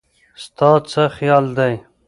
ستا څه خيال دی